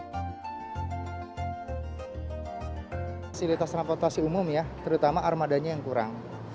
fasilitas transportasi umum ya terutama armadanya yang kurang